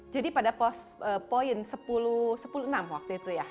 jadi pada poin sepuluh enam belas waktu itu ya